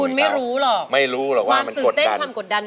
คุณไม่รู้หรอกไม่รู้หรอกว่าความตื่นเต้นความกดดัน